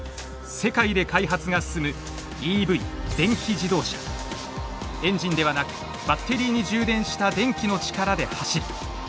世界で開発が進むエンジンではなくバッテリーに充電した電気の力で走る。